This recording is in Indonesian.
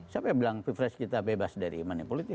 siapa yang bilang pilpres kita bebas dari manipulasi